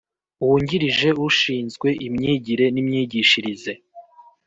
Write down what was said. wungirije ushinzwe Imyigire n Imyigishirize